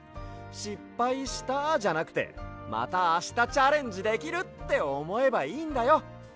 「しっぱいした」じゃなくて「またあしたチャレンジできる」っておもえばいいんだよ。